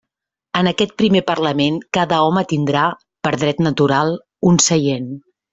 En aquest primer parlament cada home tindrà, per dret natural, un seient.